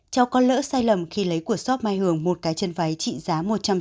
cháu có lỡ sai lầm khi lấy của shop mai hưởng một cái chân váy trị giá một trăm sáu mươi